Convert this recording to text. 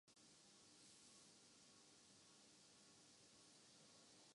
جماعت اسلامی پانچ سال سے تحریک انصاف کے ساتھ ہے۔